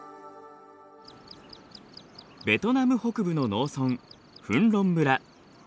ベトナム北部の農村フンロン村。